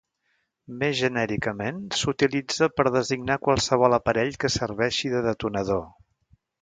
Més genèricament s'utilitza per a designar a qualsevol aparell que serveixi de detonador.